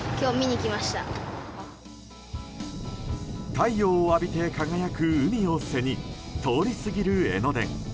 太陽を浴びて輝く海を背に通り過ぎる江ノ電。